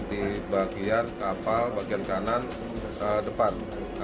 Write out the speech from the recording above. di bagian kapal bagian kanan depan